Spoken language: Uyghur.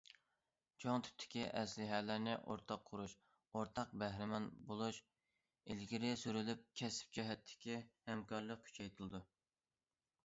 چوڭ تىپتىكى ئەسلىھەلەرنى ئورتاق قۇرۇش، ئورتاق بەھرىمەن بولۇش ئىلگىرى سۈرۈلۈپ، كەسىپ جەھەتتىكى ھەمكارلىق كۈچەيتىلىدۇ.